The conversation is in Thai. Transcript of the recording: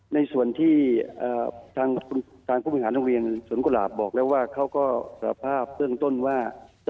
ในส่วนที่ทางผู้บริหารโรงเรียนสวนกุหลาบบอกแล้วว่าเขาก็สารภาพเบื้องต้นว่า